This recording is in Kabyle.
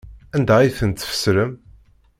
Anda ay tent-tfesrem?